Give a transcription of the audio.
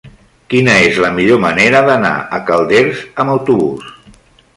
Quina és la millor manera d'anar a Calders amb autobús?